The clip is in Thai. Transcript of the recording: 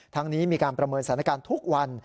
นี้มีการประเมินสถานการณ์ทุกวัน